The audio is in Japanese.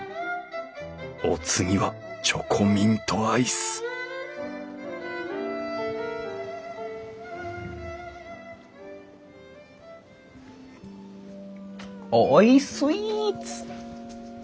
お次はチョコミントアイスおいスイーツ！